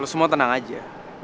lo semua tenang aja